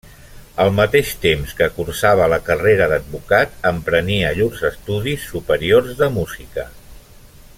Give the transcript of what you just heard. Al mateix temps que cursava la carrera d'advocat, emprenia llurs estudis superiors de música.